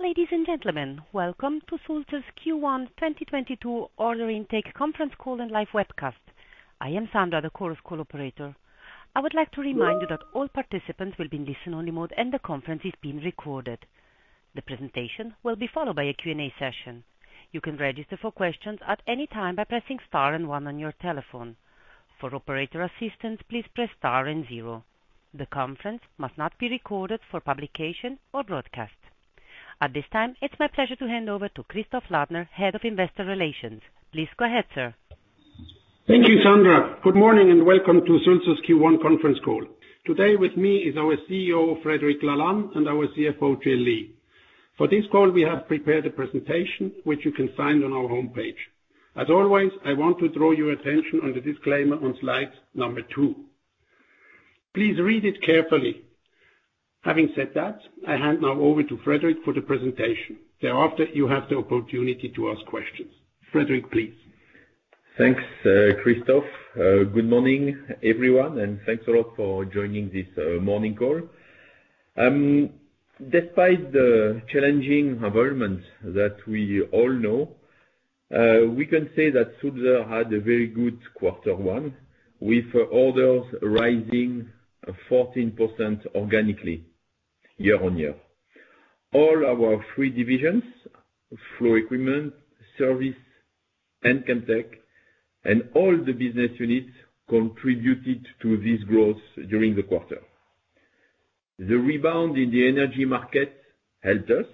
Ladies and gentlemen, welcome to Sulzer's Q1 2022 Order Intake Conference Call and Live Webcast. I am Sandra, the Chorus Call operator. I would like to remind you that all participants will be in listen-only mode and the conference is being recorded. The presentation will be followed by a Q&A session. You can register for questions at any time by pressing star and one on your telephone. For operator assistance, please press star and zero. The conference must not be recorded for publication or broadcast. At this time, it's my pleasure to hand over to Christoph Ladner, Head of Investor Relations. Please go ahead, sir. Thank you, Sandra. Good morning and welcome to Sulzer's Q1 Conference Call. Today with me is our Chief Executive Officer, Frédéric Lalanne, and our Chief Financial Oficer, Jill Lee. For this call, we have prepared a presentation which you can find on our homepage. As always, I want to draw your attention on the disclaimer on slide number two. Please read it carefully. Having said that, I hand now over to Frédéric for the presentation. Thereafter, you have the opportunity to ask questions. Frédéric, please. Thanks, Christoph. Good morning, everyone, and thanks a lot for joining this morning call. Despite the challenging environment that we all know, we can say that Sulzer had a very good quarter one with orders rising 14% organically year-on-year. All our three divisions, Flow Equipment, Service, and Chemtech, and all the business units contributed to this growth during the quarter. The rebound in the energy market helped us,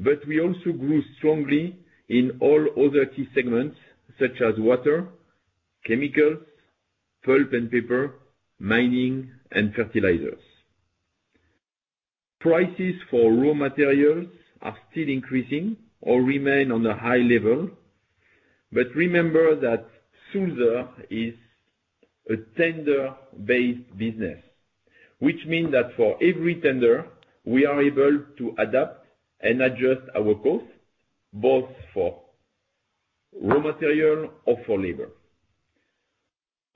but we also grew strongly in all other key segments such as water, chemicals, pulp and paper, mining and fertilizers. Prices for raw materials are still increasing or remain on a high level. Remember that Sulzer is a tender-based business, which mean that for every tender, we are able to adapt and adjust our costs, both for raw material or for labor.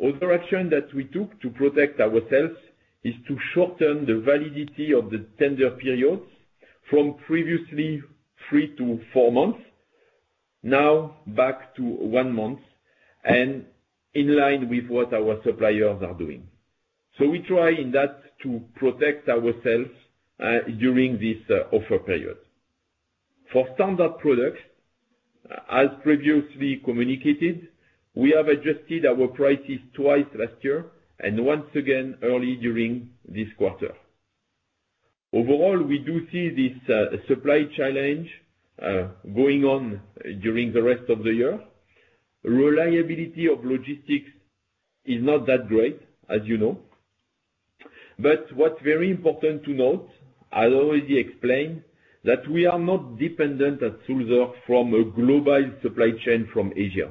Other action that we took to protect ourselves is to shorten the validity of the tender periods from previously three to four months, now back to one month, and in line with what our suppliers are doing. We try in that to protect ourselves during this offer period. For standard products, as previously communicated, we have adjusted our prices twice last year and once again early during this quarter. Overall, we do see this supply challenge going on during the rest of the year. Reliability of logistics is not that great, as you know. What's very important to note, I already explained, that we are not dependent at Sulzer from a global supply chain from Asia.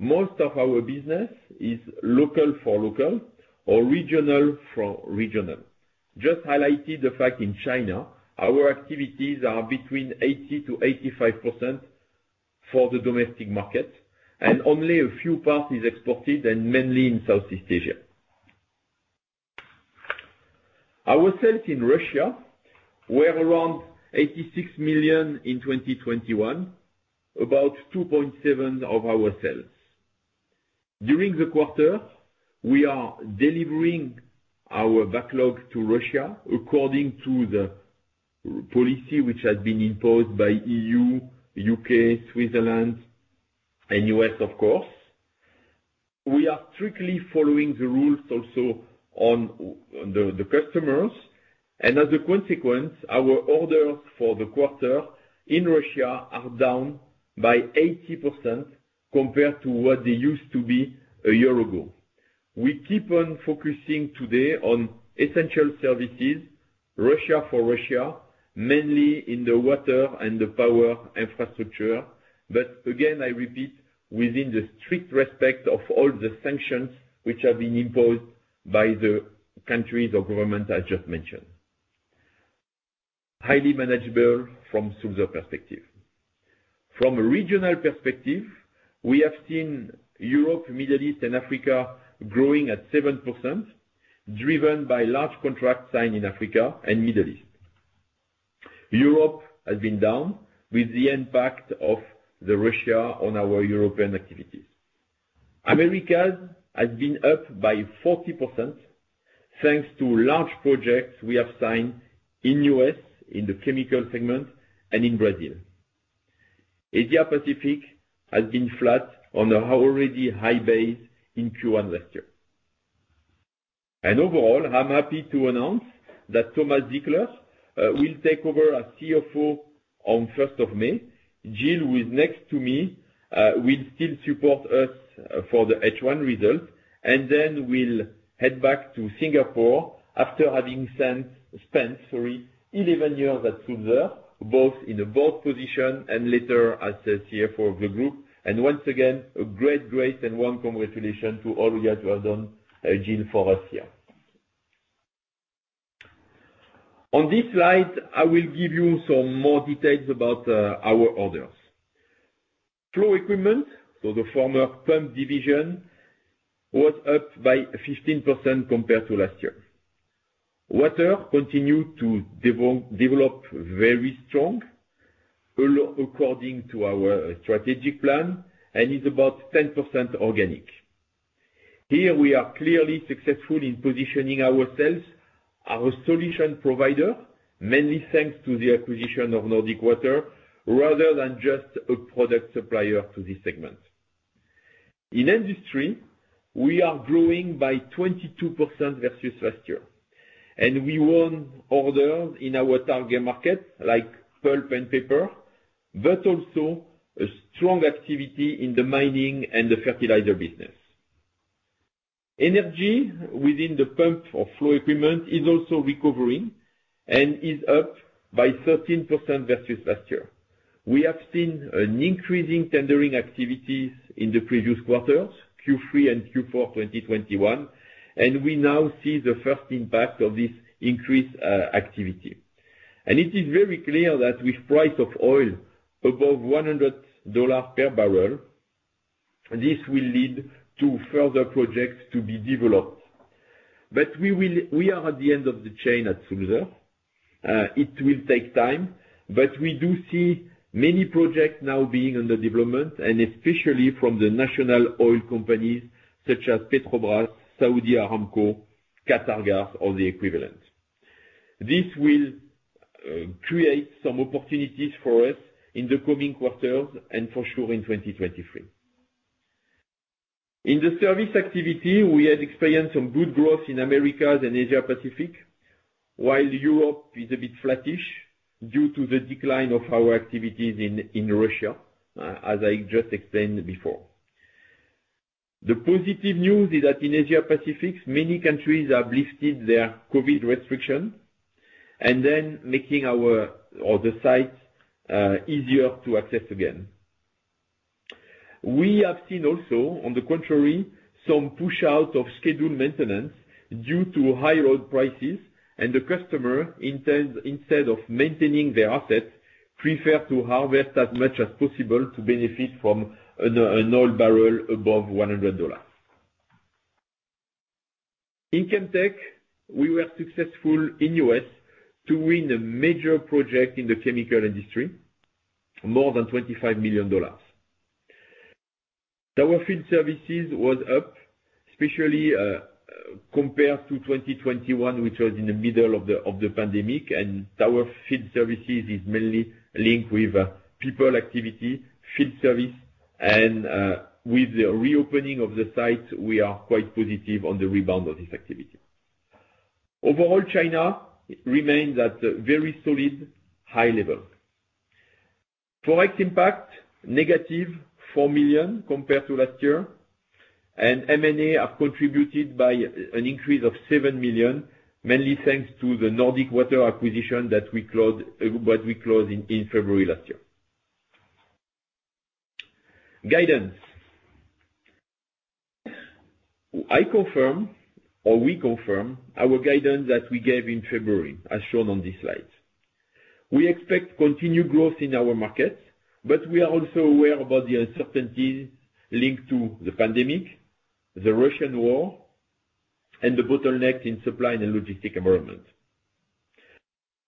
Most of our business is local for local or regional for regional. Just highlighted the fact in China, our activities are between 80%-85% for the domestic market, and only a few parts is exported and mainly in Southeast Asia. Our sales in Russia were around 86 million in 2021, about 2.7% of our sales. During the quarter, we are delivering our backlog to Russia according to the policy which has been imposed by EU, U.K., Switzerland, and U.S., of course. We are strictly following the rules also on the customers. As a consequence, our orders for the quarter in Russia are down by 80% compared to what they used to be a year ago. We keep on focusing today on essential services, Russia for Russia, mainly in the water and the power infrastructure. Again, I repeat, within the strict respect of all the sanctions which have been imposed by the countries or government I just mentioned. Highly manageable from Sulzer perspective. From a regional perspective, we have seen Europe, Middle East and Africa growing at 7%, driven by large contract signed in Africa and Middle East. Europe has been down with the impact of Russia on our European activities. Americas has been up by 40% thanks to large projects we have signed in U.S., in the chemical segment and in Brazil. Asia Pacific has been flat on an already high base in Q1 last year. Overall, I'm happy to announce that Thomas Zickler will take over as Chief Financial Officer on May 1st. Jill, who is next to me, will still support us for the H1 result and then will head back to Singapore after having spent 11 years at Sulzer, both in a board position and later as the Chief Financial Officer of the group. Once again, a great and warm congratulations to all we have done, Jill, for us here. On this slide, I will give you some more details about our orders. Flow Equipment for the former pump division was up by 15% compared to last year. Water continued to develop very strong, although according to our strategic plan, and is about 10% organic. Here we are clearly successful in positioning ourselves as a solution provider, mainly thanks to the acquisition of Nordic Water, rather than just a product supplier to this segment. In industry, we are growing by 22% versus last year, and we won orders in our target market like pulp and paper, but also a strong activity in the mining and the fertilizer business. Energy within the Pumps or Flow Equipment is also recovering and is up by 13% versus last year. We have seen an increasing tendering activity in the previous quarters, Q3 and Q4, 2021, and we now see the first impact of this increased activity. It is very clear that with price of oil above $100 per barrel, this will lead to further projects to be developed. We are at the end of the chain at Sulzer. It will take time, but we do see many projects now being under development and especially from the national oil companies such as Petrobras, Saudi Aramco, QatarEnergy or the equivalent. This will create some opportunities for us in the coming quarters, and for sure in 2023. In the service activity, we have experienced some good growth in Americas and Asia Pacific, while Europe is a bit flattish due to the decline of our activities in Russia, as I just explained before. The positive news is that in Asia Pacific, many countries have lifted their COVID restriction and then making our or the sites easier to access again. We have seen also, on the contrary, some push out of scheduled maintenance due to high oil prices and the customer instead of maintaining their assets prefer to harvest as much as possible to benefit from an oil barrel above $100. In Chemtech, we were successful in U.S. to win a major project in the chemical industry, more than $25 million. Tower Field Services was up, especially, compared to 2021, which was in the middle of the pandemic, and Tower Field Services is mainly linked with people activity, field service, and with the reopening of the site, we are quite positive on the rebound of this activity. Overall, China remains at a very solid high level. Foreign exchange impact, -4 million compared to last year, and M&A have contributed by an increase of 7 million, mainly thanks to the Nordic Water acquisition that we closed in February last year. Guidance. I confirm, or we confirm our guidance that we gave in February, as shown on this slide. We expect continued growth in our markets, but we are also aware about the uncertainties linked to the pandemic, the Russian war, and the bottleneck in supply and logistics environment.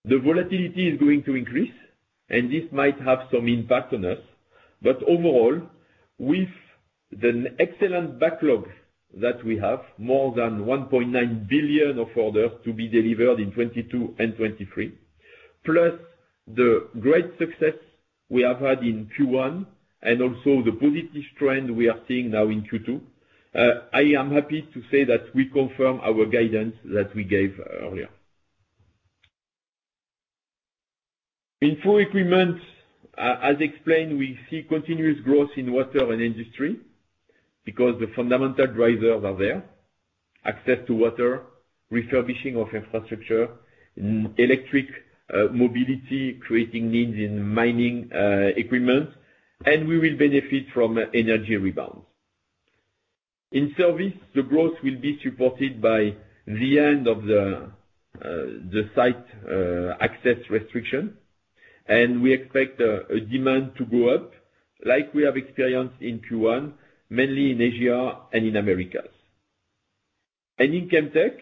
The volatility is going to increase, and this might have some impact on us. Overall, with the excellent backlog that we have, more than 1.9 billion of orders to be delivered in 2022 and 2023, plus the great success we have had in Q1 and also the positive trend we are seeing now in Q2, I am happy to say that we confirm our guidance that we gave earlier. In Flow Equipment, as explained, we see continuous growth in water and industry because the fundamental drivers are there. Access to water, refurbishing of infrastructure, electric mobility, creating needs in mining equipment, and we will benefit from energy rebound. In Services, the growth will be supported by the end of the site access restriction, and we expect a demand to go up like we have experienced in Q1, mainly in Asia and in Americas. In Chemtech,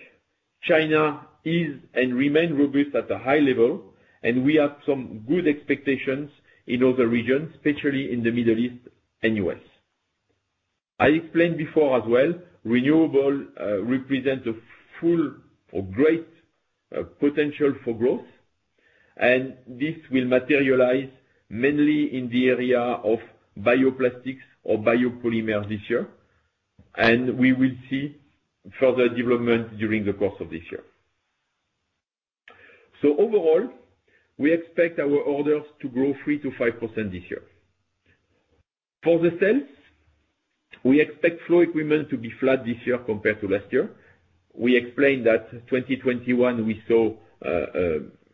China is and remain robust at a high level and we have some good expectations in other regions, especially in the Middle East and U.S. I explained before as well, renewables represent a full or great potential for growth, and this will materialize mainly in the area of bioplastics or biopolymers this year, and we will see further development during the course of this year. Overall, we expect our orders to grow 3%-5% this year. For the sales, we expect Flow Equipment to be flat this year compared to last year. We explained that 2021 we saw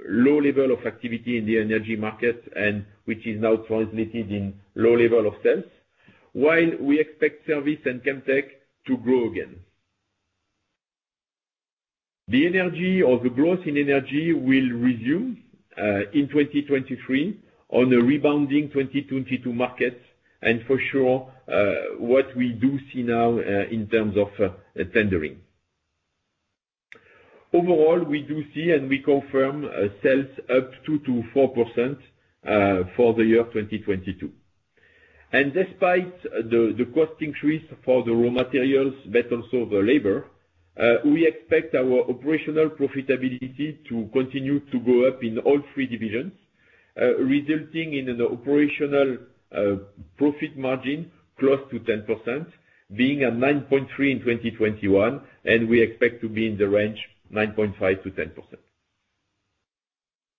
low level of activity in the energy market and which is now translated into low level of sales, while we expect service and Chemtech to grow again. The energy or the growth in energy will resume in 2023 on a rebounding 2022 market, and for sure what we do see now in terms of tendering. Overall, we do see and we confirm sales up 2%-4% for the year 2022. Despite the cost increase for the raw materials, but also the labor, we expect our operational profitability to continue to go up in all three divisions, resulting in an operational profit margin close to 10%, being at 9.3% in 2021, and we expect to be in the range 9.5%-10%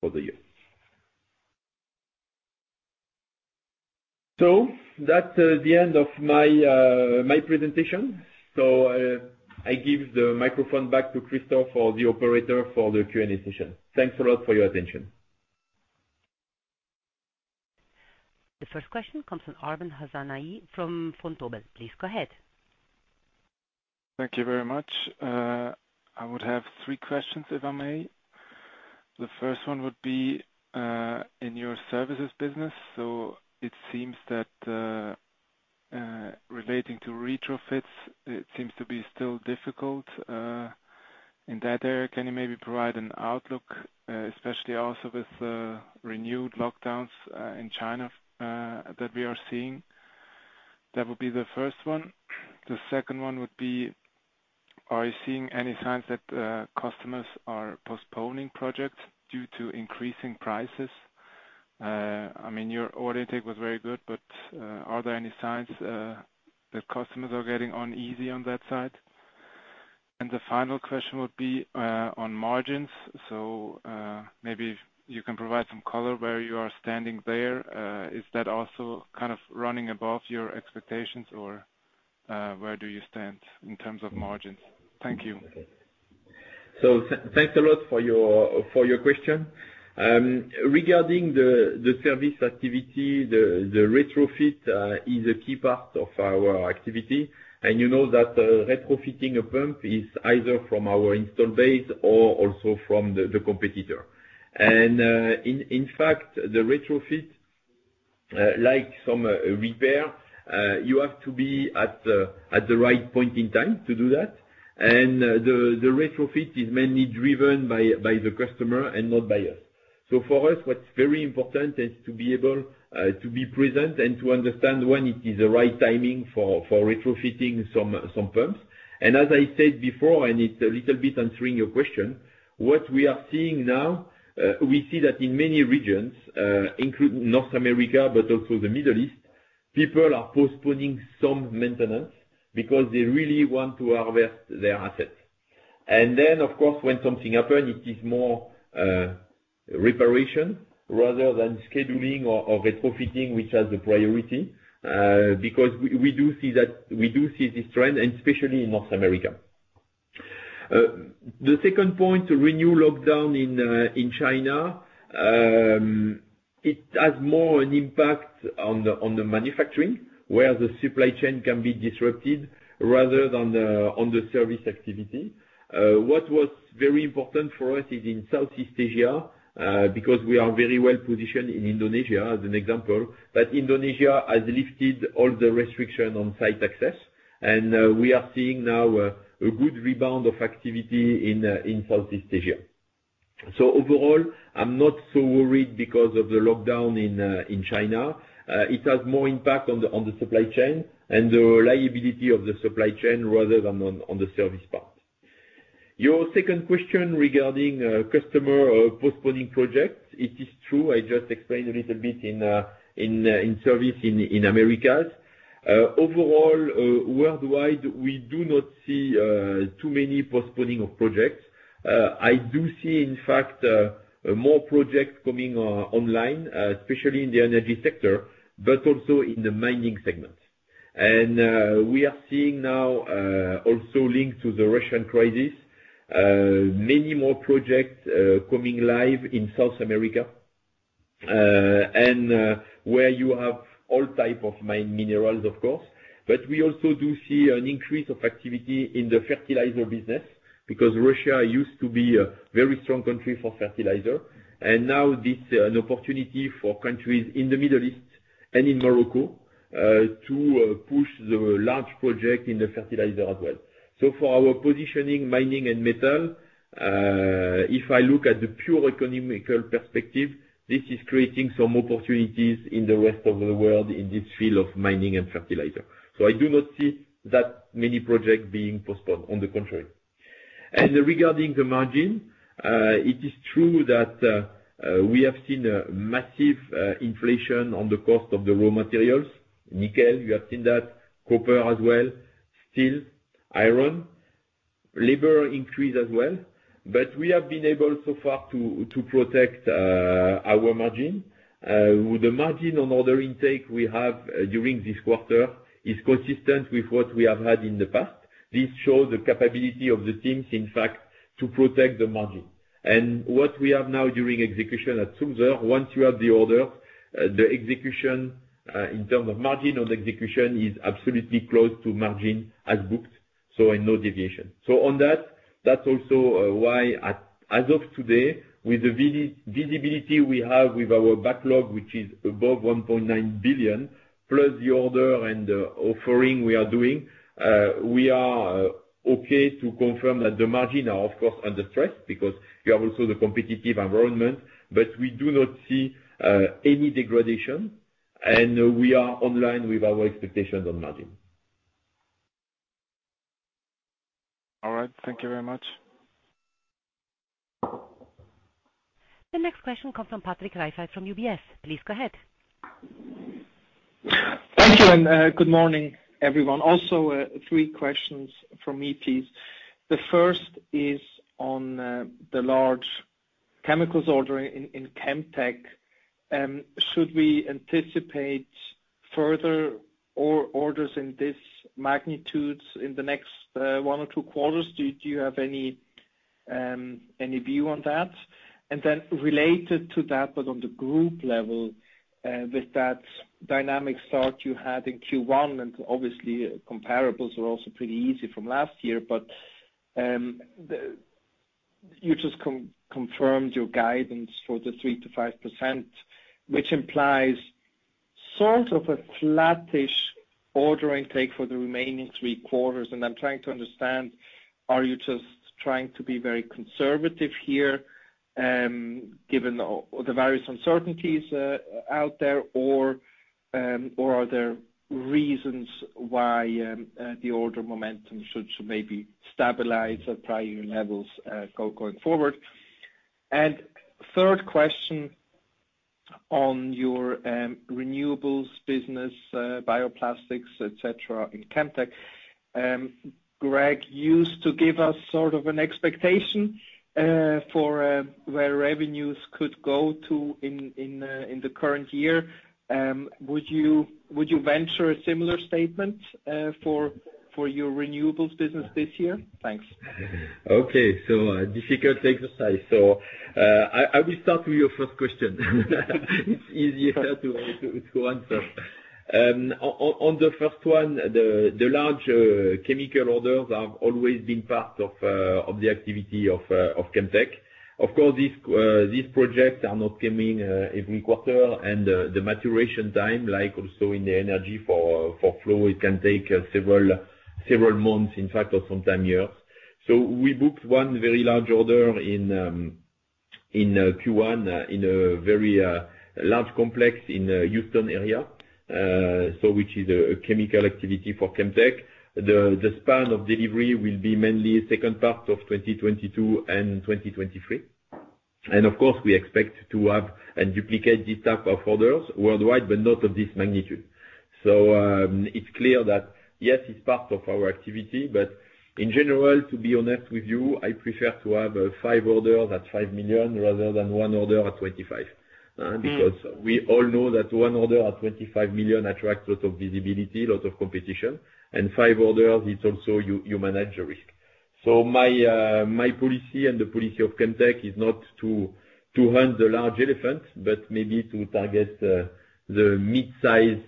for the year. That's the end of my presentation. I give the microphone back to Christophe or the operator for the Q&A session. Thanks a lot for your attention. The first question comes from Arben Hasanaj from Vontobel. Please go ahead. Thank you very much. I would have three questions, if I may. The first one would be, in your services business. It seems that, relating to retrofits, it seems to be still difficult, in that area. Can you maybe provide an outlook, especially also with the renewed lockdowns, in China, that we are seeing? That would be the first one. The second one would be, are you seeing any signs that, customers are postponing projects due to increasing prices? I mean, your order intake was very good, but, are there any signs, that customers are getting uneasy on that side? The final question would be, on margins. Maybe you can provide some color where you are standing there. Is that also kind of running above your expectations or where do you stand in terms of margins? Thank you. Thanks a lot for your question. Regarding the service activity, the retrofit is a key part of our activity. You know that retrofitting a pump is either from our install base or also from the competitor. In fact, the retrofit like some repair you have to be at the right point in time to do that. The retrofit is mainly driven by the customer and not by us. For us, what's very important is to be able to be present and to understand when it is the right timing for retrofitting some pumps. As I said before, and it's a little bit answering your question, what we are seeing now, we see that in many regions, including North America, but also the Middle East, people are postponing some maintenance because they really want to harvest their assets. Then, of course, when something happens, it is more reparation rather than scheduling or retrofitting, which has a priority, because we do see this trend, and especially in North America. The second point, new lockdown in China, it has more an impact on the manufacturing, where the supply chain can be disrupted rather than on the service activity. What was very important for us is in Southeast Asia, because we are very well positioned in Indonesia, as an example, that Indonesia has lifted all the restriction on site access. We are seeing now a good rebound of activity in Southeast Asia. Overall, I'm not so worried because of the lockdown in China. It has more impact on the supply chain and the reliability of the supply chain rather than on the service part. Your second question regarding customer postponing projects. It is true. I just explained a little bit in service in Americas. Overall, worldwide, we do not see too many postponing of projects. I do see, in fact, more projects coming online, especially in the energy sector, but also in the mining segment. We are seeing now also linked to the Russian crisis, many more projects coming online in South America, and where you have all type of mine minerals, of course. We also do see an increase of activity in the fertilizer business because Russia used to be a very strong country for fertilizer. Now this an opportunity for countries in the Middle East and in Morocco to push the large project in the fertilizer as well. For our positioning, mining and metal, if I look at the pure economic perspective, this is creating some opportunities in the rest of the world in this field of mining and fertilizer. I do not see that many projects being postponed, on the contrary. Regarding the margin, it is true that, we have seen a massive, inflation on the cost of the raw materials. Nickel, we have seen that. Copper as well. Steel, iron. Labor increase as well. We have been able so far to protect our margin. With the margin on order intake we have during this quarter is consistent with what we have had in the past. This shows the capability of the teams, in fact, to protect the margin. What we have now during execution at Sulzer, once you have the order, the execution, in terms of margin on execution is absolutely close to margin as booked. And no deviation. On that's also why as of today, with the visibility we have with our backlog, which is above 1.9 billion, plus the order and offering we are doing, we are okay to confirm that the margins are of course under stress because we have also the competitive environment. But we do not see any degradation and we are in line with our expectations on margins. All right. Thank you very much. The next question comes from Patrick Rafaisz from UBS. Please go ahead. Thank you and good morning, everyone. Also, three questions from me please. The first is on the large chemicals order in Chemtech. Should we anticipate further orders of this magnitude in the next one or two quarters? Do you have any view on that? Related to that but on the group level with that dynamic start you had in Q1, and obviously comparables were also pretty easy from last year, but you just confirmed your guidance for the 3%-5%, which implies sort of a flattish order intake for the remaining three quarters, and I'm trying to understand, are you just trying to be very conservative here, given the various uncertainties out there? Are there reasons why the order momentum should maybe stabilize at prior levels going forward? Third question on your renewables business, bioplastics, et cetera, in Chemtech. Greg used to give us sort of an expectation for where revenues could go to in the current year. Would you venture a similar statement for your renewables business this year? Thanks. Okay. A difficult exercise. I will start with your first question. It's easier to answer. On the first one, the large chemical orders have always been part of the activity of Chemtech. Of course, these projects are not coming every quarter and the maturation time, like also in the energy for Flow, it can take several months, in fact or sometimes years. We booked one very large order in Q1, in a very large complex in Houston area, which is a chemical activity for Chemtech. The span of delivery will be mainly second part of 2022 and 2023. Of course, we expect to have and duplicate this type of orders worldwide, but not of this magnitude. It's clear that, yes, it's part of our activity, but in general, to be honest with you, I prefer to have five orders at 5 million rather than one order at 25 million. Mm. Because we all know that one order at 25 million attracts lots of visibility, lots of competition. Five orders, it's also you manage a risk. My policy and the policy of Chemtech is not to hunt the large elephants, but maybe to target the midsize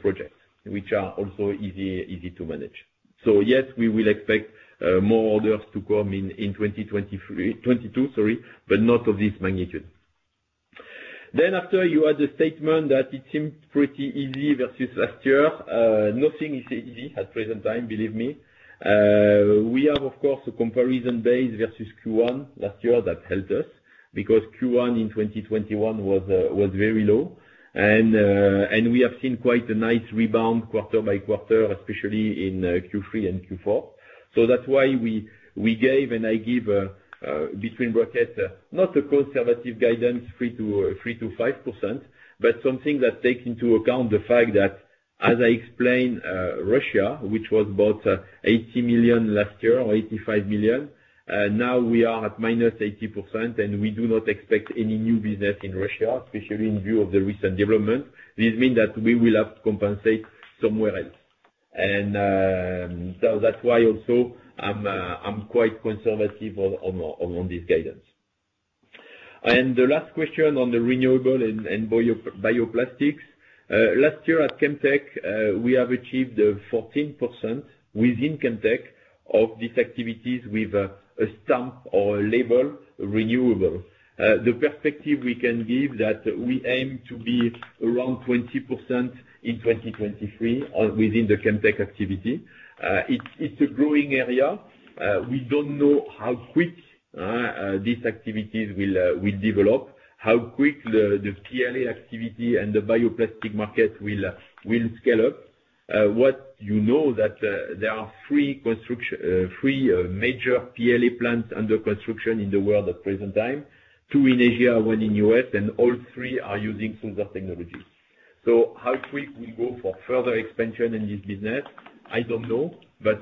projects, which are also easy to manage. Yes, we will expect more orders to come in in 2022, sorry, but not of this magnitude. After you had a statement that it seemed pretty easy versus last year, nothing is easy at present time, believe me. We have, of course, a comparison base versus Q1 last year that helped us because Q1 in 2021 was very low. We have seen quite a nice rebound quarter by quarter, especially in Q3 and Q4. That's why we gave and I give between brackets not a conservative guidance, 3%-5%, but something that takes into account the fact that, as I explained, Russia, which was about 80 million last year or 85 million, now we are at minus 80%, and we do not expect any new business in Russia, especially in view of the recent development. This means that we will have to compensate somewhere else. That's why also I'm quite conservative on this guidance. The last question on the renewable and bioplastics. Last year at Chemtech, we have achieved 14% within Chemtech of these activities with a stamp or a label renewable. The perspective we can give that we aim to be around 20% in 2023 within the Chemtech activity. It's a growing area. We don't know how quick these activities will develop, how quick the PLA activity and the bioplastics market will scale up. You know that there are three major PLA plants under construction in the world at the present time, two in Asia, one in the U.S., and all three are using Sulzer technologies. How quick we go for further expansion in this business, I don't know.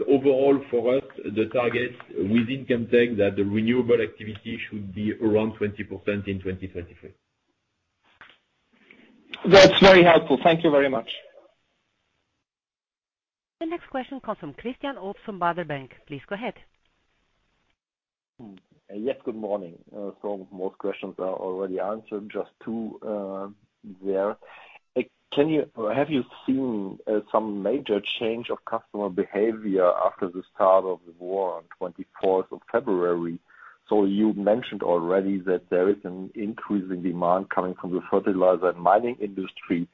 Overall for us, the target within Chemtech that the renewable activity should be around 20% in 2023. That's very helpful. Thank you very much. The next question comes from Christian Obst from Baader Bank. Please go ahead. Yes, good morning. Most questions are already answered, just two there. Have you seen some major change of customer behavior after the start of the war on the 24th of February? You mentioned already that there is an increasing demand coming from the fertilizer and mining industry.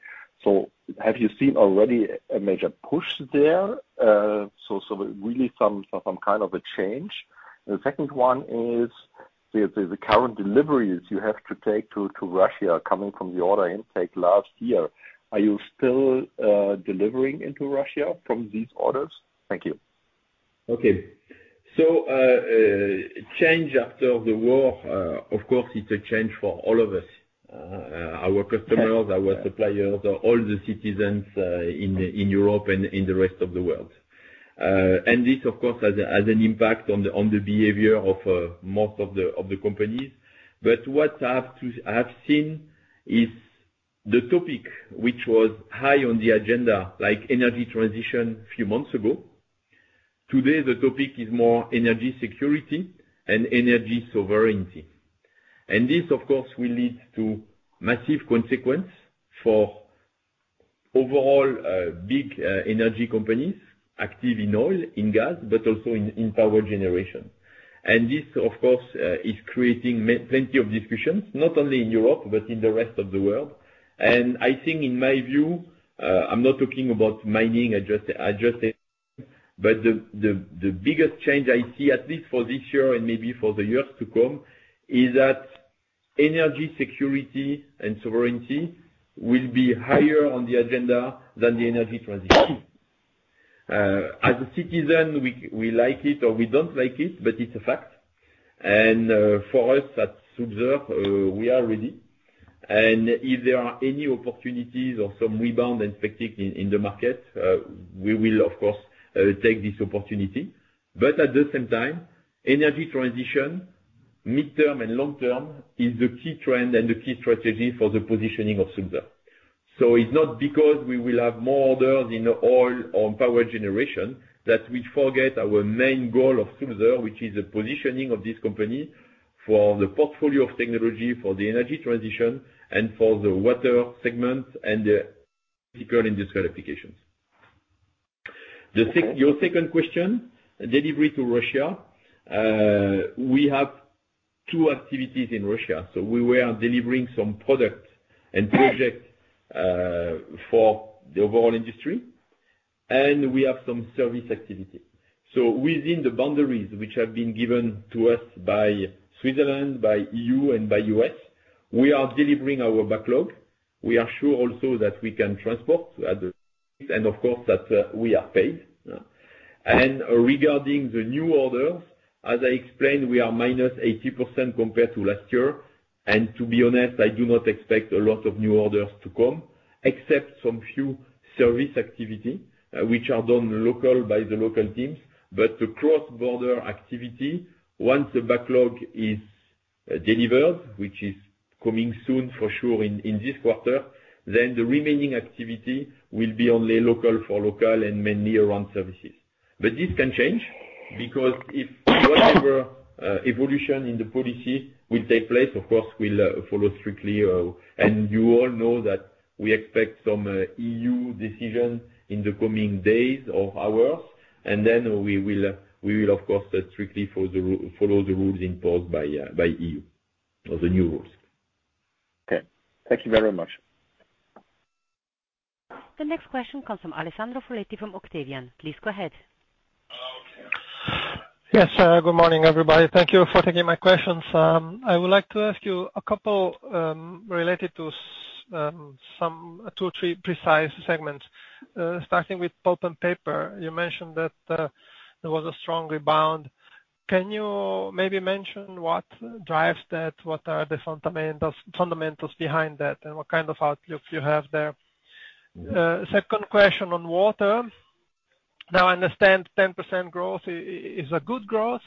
Have you seen already a major push there? Really some kind of a change. The second one is the current deliveries you have to take to Russia coming from the order intake last year. Are you still delivering into Russia from these orders? Thank you. Okay. Change after the war, of course, it's a change for all of us, our customers, our suppliers, all the citizens, in Europe and in the rest of the world. This, of course, has an impact on the behavior of most of the companies. What I have seen is the topic which was high on the agenda, like energy transition a few months ago. Today, the topic is more energy security and energy sovereignty. This, of course, will lead to massive consequence for overall big energy companies active in oil, in gas, but also in power generation. This, of course, is creating plenty of discussions, not only in Europe, but in the rest of the world. I think in my view, I'm not talking about mining, I just said, but the biggest change I see, at least for this year and maybe for the years to come, is that energy security and sovereignty will be higher on the agenda than the energy transition. As a citizen, we like it, or we don't like it, but it's a fact. For us at Sulzer, we are ready. If there are any opportunities or some rebound and fatigue in the market, we will of course take this opportunity. But at the same time, energy transition, midterm and long-term is the key trend and the key strategy for the positioning of Sulzer. It's not because we will have more orders in oil or power generation that we forget our main goal of Sulzer, which is the positioning of this company for the portfolio of technology, for the energy transition and for the water segment and the critical industrial applications. Your second question, delivery to Russia. We have two activities in Russia. We were delivering some products and projects for the overall industry, and we have some service activity. Within the boundaries which have been given to us by Switzerland, by E.U. and by U.S., we are delivering our backlog. We are sure also that we can transport it and of course that we are paid. Regarding the new orders, as I explained, we are -80% compared to last year. To be honest, I do not expect a lot of new orders to come, except some few service activity, which are done local by the local teams. The cross-border activity, once the backlog is delivered, which is coming soon for sure in this quarter, then the remaining activity will be only local for local and mainly around services. This can change, because if whatever evolution in the policy will take place, of course, we'll follow strictly. You all know that we expect some EU decision in the coming days or hours, and then we will, of course, strictly follow the rules imposed by EU or the new rules. Okay. Thank you very much. The next question comes from Alessandro Foletti from Octavian. Please go ahead. Yes, good morning, everybody. Thank you for taking my questions. I would like to ask you a couple related to some two or three precise segments. Starting with pulp and paper, you mentioned that there was a strong rebound. Can you maybe mention what drives that? What are the fundamentals behind that, and what kind of outlook you have there? Second question on water. Now, I understand 10% growth is a good growth,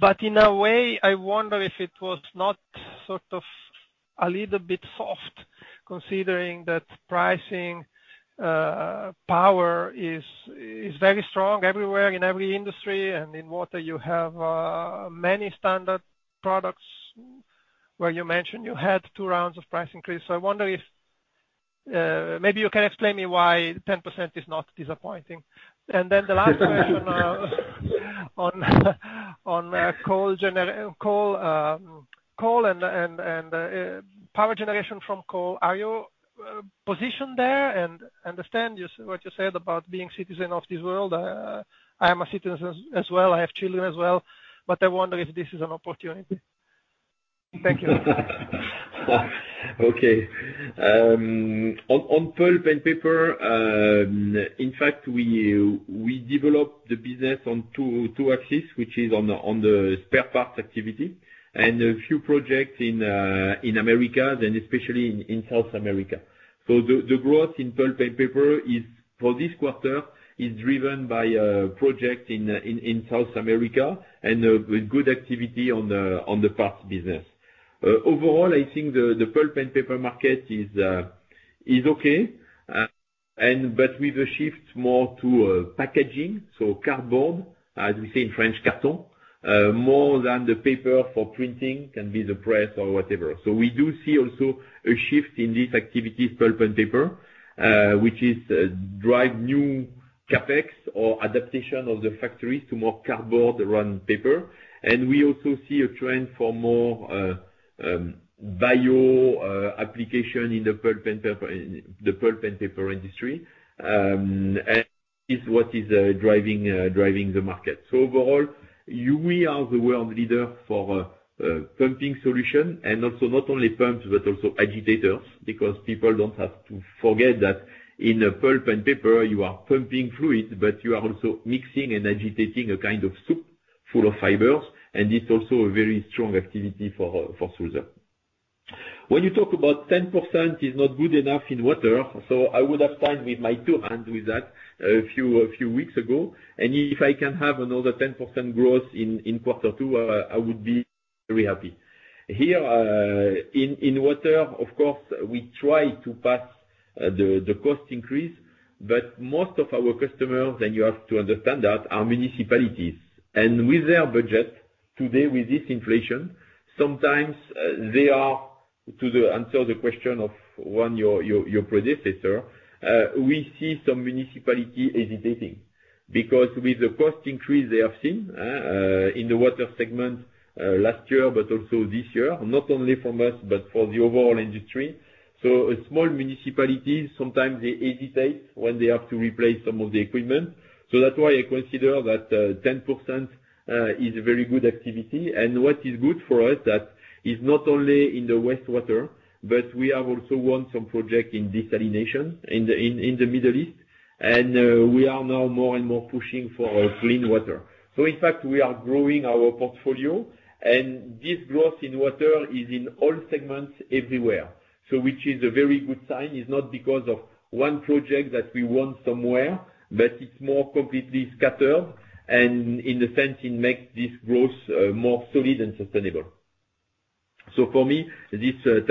but in a way, I wonder if it was not sort of a little bit soft, considering that pricing power is very strong everywhere in every industry, and in water you have many standard products where you mentioned you had two rounds of price increase. So I wonder if maybe you can explain me why 10% is not disappointing. The last question on coal and power generation from coal. Are you positioned there? I understand what you said about being a citizen of this world. I am a citizen as well. I have children as well, but I wonder if this is an opportunity. Thank you. On pulp and paper, in fact, we developed the business on two axes, which is on the spare parts activity and a few projects in the Americas and especially in South America. The growth in pulp and paper is, for this quarter, driven by project in South America and with good activity on the parts business. Overall, I think the pulp and paper market is okay. But with a shift more to packaging, so cardboard, as we say in French, carton, more than the paper for printing can be the press or whatever. We do see also a shift in this activity, pulp and paper, which drives new CapEx or adaptation of the factories to more cardboard than run paper. We also see a trend for more bio application in the pulp and paper industry. That is what is driving the market. Overall, we are the world leader for pumping solution and also not only pumps, but also agitators, because people don't have to forget that in a pulp and paper you are pumping fluid, but you are also mixing and agitating a kind of soup full of fibers, and it's also a very strong activity for Sulzer. When you talk about 10% is not good enough in water, so I would have signed with my two hands with that a few weeks ago. If I can have another 10% growth in quarter two, I would be very happy. Here in water, of course, we try to pass the cost increase, but most of our customers, and you have to understand that, are municipalities. With their budget today, with this inflation, sometimes they answer the question of one of your predecessors, we see some municipalities hesitating. Because with the cost increase they have seen in the water segment last year, but also this year, not only from us, but from the overall industry. A small municipality, sometimes they hesitate when they have to replace some of the equipment. That's why I consider that 10% is a very good activity. What is good for us that is not only in the wastewater, but we have also won some projects in desalination in the Middle East. We are now more and more pushing for clean water. In fact, we are growing our portfolio. This growth in water is in all segments everywhere. Which is a very good sign. It's not because of one project that we want somewhere, but it's more completely scattered and in a sense it makes this growth more solid and sustainable. For me, this 10%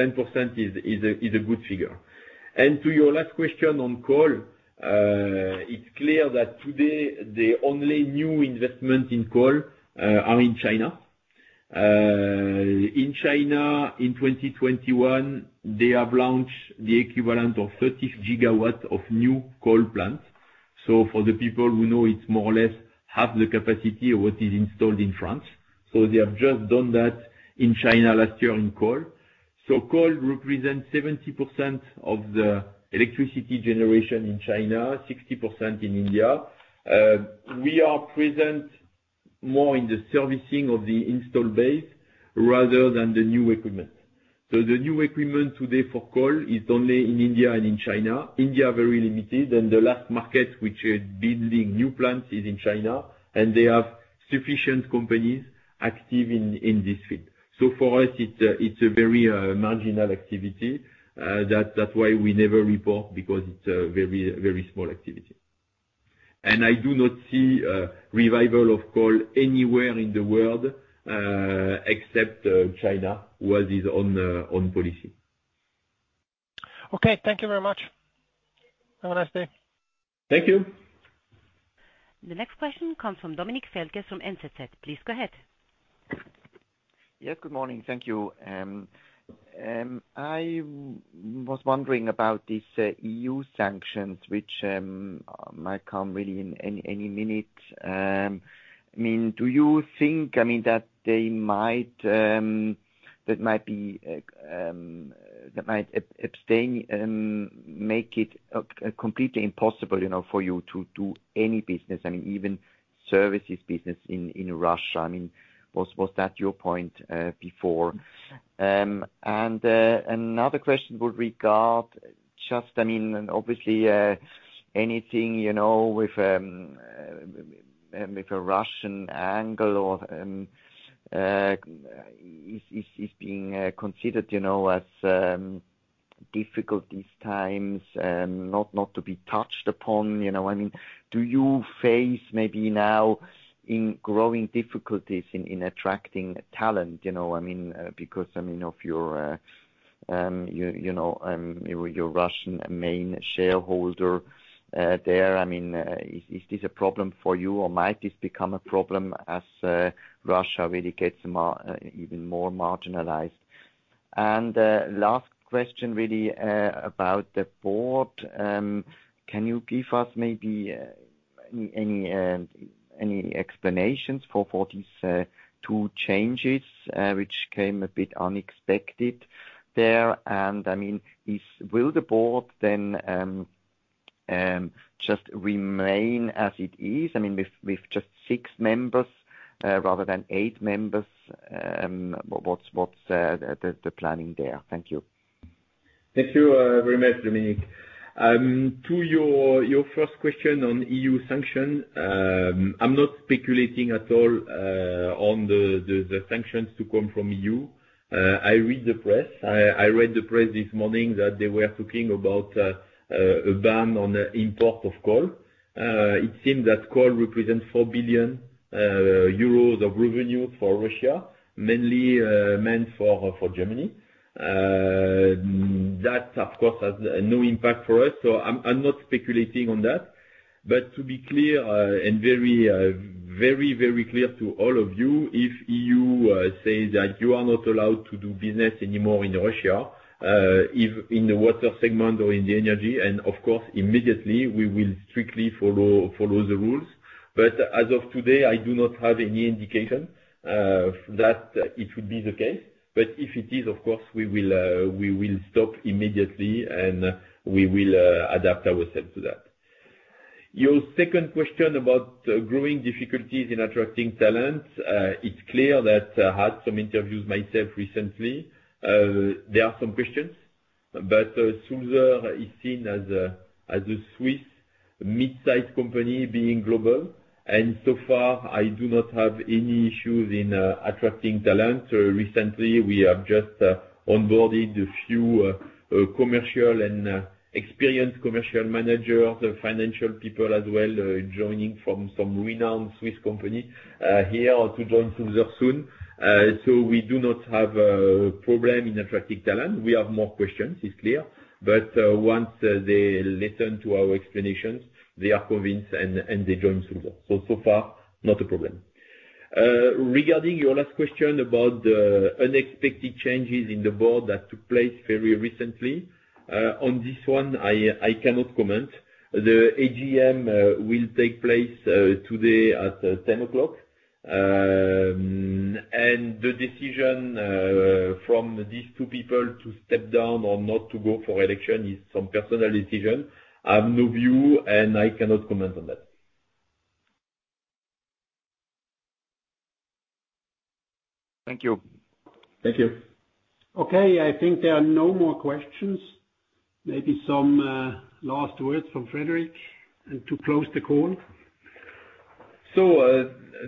is a good figure. To your last question on coal, it's clear that today the only new investment in coal are in China. In China, in 2021, they have launched the equivalent of 30 gigawatts of new coal plants. For the people who know, it's more or less half the capacity of what is installed in France. They have just done that in China last year in coal. Coal represents 70% of the electricity generation in China, 60% in India. We are present more in the servicing of the install base rather than the new equipment. The new equipment today for coal is only in India and in China. India, very limited. The last market which is building new plants is in China, and they have sufficient companies active in this field. For us, it's a very marginal activity. That's why we never report because it's a very small activity. I do not see a revival of coal anywhere in the world, except China, who has his own policy. Okay, thank you very much. Have a nice day. Thank you. The next question comes from Dominik Vonier from LSEG. Please go ahead. Yes, good morning. Thank you. I was wondering about these EU sanctions, which might come really in any minute. I mean, do you think that they might make it completely impossible, you know, for you to do any business, I mean, even services business in Russia? I mean, was that your point before? Another question would regard just, I mean, obviously, anything, you know, with a Russian angle or is being considered, you know, as difficult these times and not to be touched upon? You know, I mean, do you face maybe now increasing difficulties in attracting talent, you know? I mean, because I mean, if you're, you know, your Russian main shareholder there, I mean, is this a problem for you or might this become a problem as Russia really gets even more marginalized? Last question really, about the board, can you give us maybe any any explanations for these two changes, which came a bit unexpected there? I mean, will the board then just remain as it is? I mean, with just six members rather than eight members, what's the planning there? Thank you. Thank you very much, Dominik. To your first question on EU sanctions, I'm not speculating at all on the sanctions to come from EU. I read the press this morning that they were talking about a ban on the import of coal. It seems that coal represents 4 billion euros of revenue for Russia, mainly meant for Germany. That, of course, has no impact for us, so I'm not speculating on that. To be clear and very clear to all of you, if EU say that you are not allowed to do business anymore in Russia, if in the water segment or in the energy, and of course, immediately we will strictly follow the rules. As of today, I do not have any indication that it would be the case. If it is, of course, we will stop immediately, and we will adapt ourselves to that. Your second question about growing difficulties in attracting talent, it's clear that I had some interviews myself recently. There are some questions, but Sulzer is seen as a Swiss mid-sized company being global. So far, I do not have any issues in attracting talent. Recently, we have just onboarded a few commercial and experienced commercial managers, financial people as well, joining from some renowned Swiss company here to join Sulzer soon. So we do not have a problem in attracting talent. We have more questions, it's clear, but once they listen to our explanations, they are convinced and they join Sulzer. So far, not a problem. Regarding your last question about the unexpected changes in the board that took place very recently, on this one, I cannot comment. The AGM will take place today at 10:00 A.M. The decision from these two people to step down or not to go for election is some personal decision. I have no view, and I cannot comment on that. Thank you. Thank you. Okay. I think there are no more questions. Maybe some last words from Frédéric and to close the call.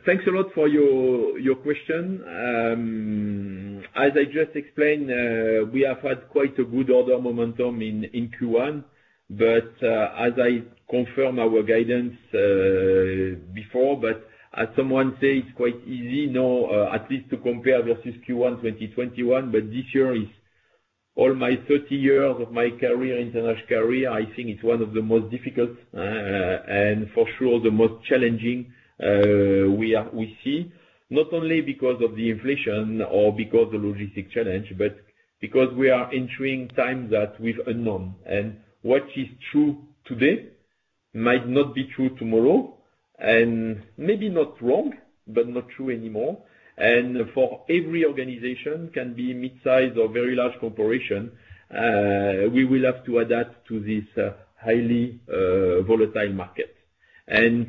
Thanks a lot for your question. As I just explained, we have had quite a good order momentum in Q1, but as I confirm our guidance before, but as someone say, it's quite easy, no, at least to compare versus Q1 in 2021. This year is all my 30 years of my career, international career. I think it's one of the most difficult, and for sure the most challenging we see. Not only because of the inflation or because the logistic challenge, but because we are entering times that we've unknown. What is true today might not be true tomorrow, and maybe not wrong, but not true anymore. For every organization, can be mid-sized or very large corporation, we will have to adapt to this highly volatile market.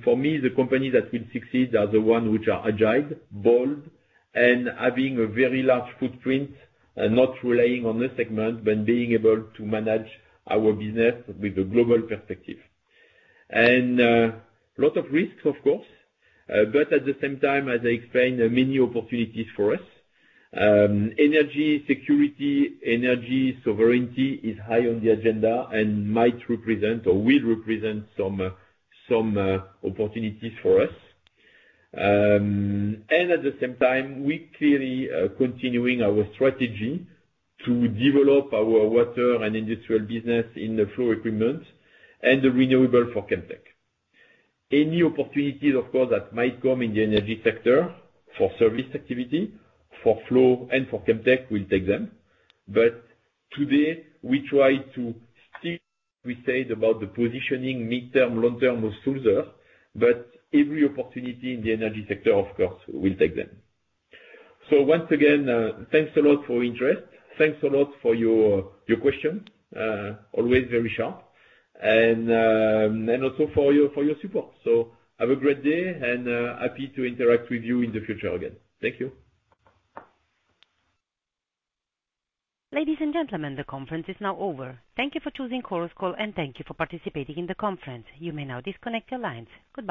For me, the company that will succeed are the one which are agile, bold, and having a very large footprint, and not relying on this segment, but being able to manage our business with a global perspective. A lot of risks of course, but at the same time, as I explained, many opportunities for us. Energy security, energy sovereignty is high on the agenda and might represent or will represent some opportunities for us. At the same time, we clearly are continuing our strategy to develop our water and industrial business in the Flow Equipment and the renewables for Chemtech. Any opportunities, of course, that might come in the energy sector for service activity, for Flow and for Chemtech, we'll take them. Today, we try to stick, we said about the positioning midterm, long-term with Sulzer, but every opportunity in the energy sector, of course, we'll take them. Once again, thanks a lot for interest. Thanks a lot for your question, always very sharp. Also for your support. Have a great day, and happy to interact with you in the future again. Thank you. Ladies and gentlemen, the conference is now over. Thank you for choosing Chorus Call, and thank you for participating in the conference. You may now disconnect your lines. Goodbye